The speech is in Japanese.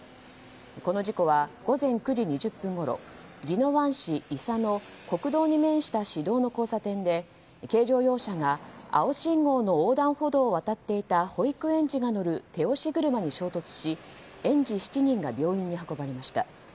この事故は午前９時２０分ごろ宜野湾市伊佐の国道に面した市道の交差点で軽乗用車が青信号の横断歩道を渡っていた保育園児が乗る手押し車に衝突し園児７人が病院に運ばれました。